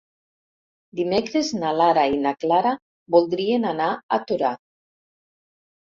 Dimecres na Lara i na Clara voldrien anar a Torà.